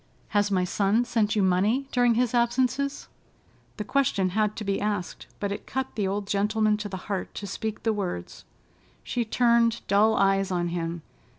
"Has my son sent you money during his absences?" The question had to be asked, but it cut the old gentleman to the heart to speak the words. She turned dull eyes on him.